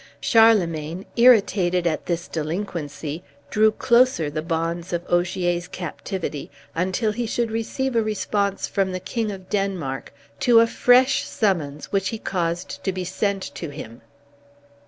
Charlemagne, irritated at this delinquency, drew closer the bonds of Ogier's captivity until he should receive a response from the king of Denmark to a fresh summons which he caused to be sent to him.